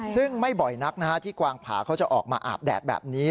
ซึ่งไม่บ่อยนักที่กวางผาเขาจะออกมาอาบแดดแบบนี้